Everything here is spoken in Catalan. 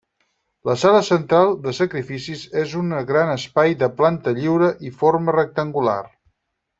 La sala central de sacrificis és un gran espai de planta lliure i forma rectangular.